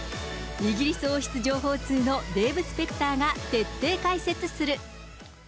イギリス王室情報通のデーブ・スペクターが徹底解説する。